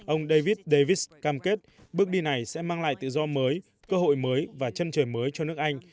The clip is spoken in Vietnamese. ông david davis cam kết bước đi này sẽ mang lại tự do mới cơ hội mới và chân trời mới cho nước anh